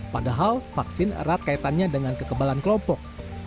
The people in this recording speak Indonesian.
padahal vaksin erat kaitannya dengan kekebalan kelompok